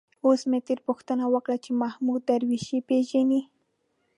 اوس مې ترې پوښتنه وکړه چې محمود درویش پېژني.